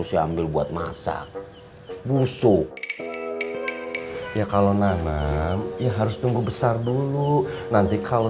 siambil buat masak busuk ya kalau nanam yang harus tunggu besar dulu nanti kalau